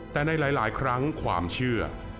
แต่ในหลายครั้งความเชื่อ